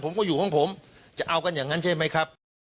ผมก็อยู่ของผมจะเอากันอย่างนั้นใช่ไหมครับ